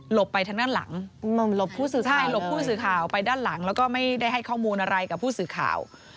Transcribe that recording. หลบไปทางด้านหลังหลบผู้สื่อข่าวไปด้านหลังแล้วก็ไม่ได้ให้ข้อมูลอะไรกับผู้สื่อข่าว